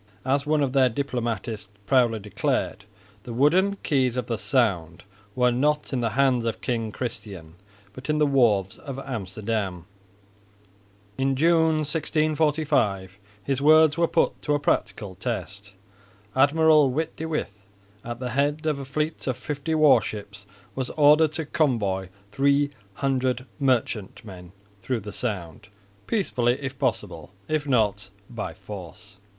As one of their diplomatists proudly declared, "the wooden keys of the Sound were not in the hands of King Christian, but in the wharves of Amsterdam." In June, 1645, his words were put to a practical test. Admiral Witte de With at the head of a fleet of fifty war ships was ordered to convoy 300 merchantmen through the Sound, peacefully if possible, if not, by force.